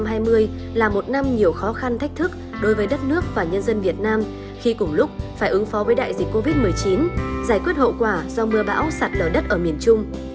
năm hai nghìn hai mươi là một năm nhiều khó khăn thách thức đối với đất nước và nhân dân việt nam khi cùng lúc phải ứng phó với đại dịch covid một mươi chín giải quyết hậu quả do mưa bão sạt lở đất ở miền trung